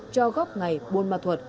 cho góp ngày bôn ma thuật